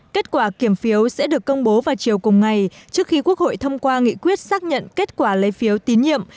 kết quả kiểm phiếu sẽ được công bố vào chiều cùng ngày trước khi quốc hội thông qua nghị quyết xác nhận kết quả lấy phiếu tín nhiệm